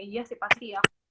iya sih pasti ya